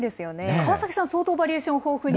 川崎さん、相当バリエーション豊富に。